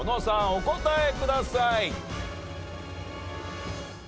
お答えください。